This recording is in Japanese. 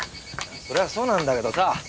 それはそうなんだけどさ。